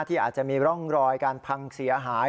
ที่อาจจะมีร่องรอยการพังเสียหาย